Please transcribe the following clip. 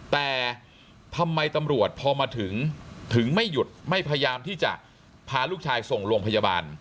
แต่ทำไมตำรวจพอมาถึงถึงไม่หยุดไม่พยายามที่จะพาลูกชายส่งโรงพยาบาล